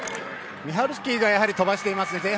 ミハルスキーがやはり飛ばしていますね。